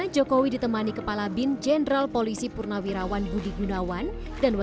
badan intelijen negara